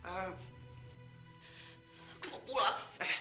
aku mau pulang